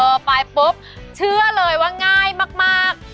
ไปปุ๊บเชื่อเลยว่าง่ายมาก